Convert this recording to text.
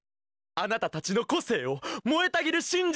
あなたたちのこせいをもえたぎるしん